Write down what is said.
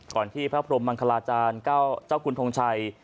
ที่พระพรมมังคลาจารย์เจ้าคุณทงชัย